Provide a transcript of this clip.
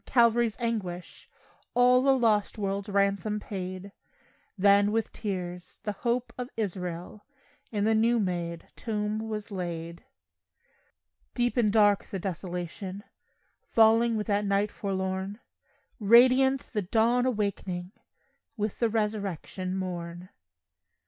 Calvary's anguish All a lost world's ransom paid; Then, with tears, "the hope of Israel" In the new made tomb was laid. Deep and dark the desolation Falling with that night forlorn; Radiant the dawn awakening With the resurrection morn.